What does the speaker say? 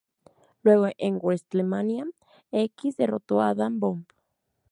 Luego, en Wrestlemania X, derrotó a Adam Bomb.